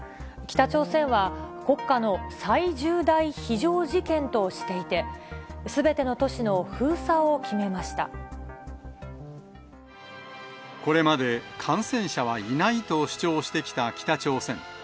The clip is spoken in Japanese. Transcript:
北朝鮮は、国家の最重大非常事件としていて、これまで、感染者はいないと主張してきた北朝鮮。